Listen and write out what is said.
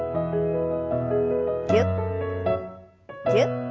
ぎゅっぎゅっ。